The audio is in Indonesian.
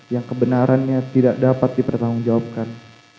yang kebenarannya tidak dapat dipertanggungjawabkan